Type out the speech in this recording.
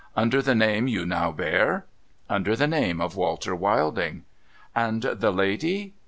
' Under the name you now bear ?'' Under the name of Walter A\'ilding.' ' And the lady